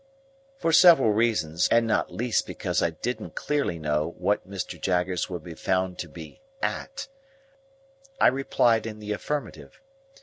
For several reasons, and not least because I didn't clearly know what Mr. Jaggers would be found to be "at," I replied in the affirmative.